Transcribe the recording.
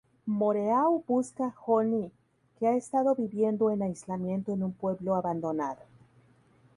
Moreau busca Johnny, que ha estado viviendo en aislamiento en un pueblo abandonado.